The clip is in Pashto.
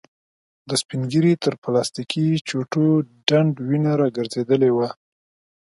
د سپين ږيري تر پلاستيکې چوټو ډنډ وينه را ګرځېدلې وه.